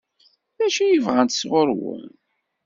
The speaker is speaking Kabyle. D acu i bɣant sɣur-wen?